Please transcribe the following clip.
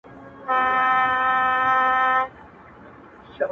تور خلوته مخ دي تور سه، تور ویښته مي درته سپین کړل٫